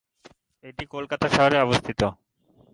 এটি কলকাতা শহরে অবস্থিত।